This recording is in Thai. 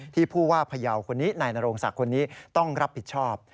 ผู้ว่าพยาวคนนี้นายนโรงศักดิ์คนนี้ต้องรับผิดชอบ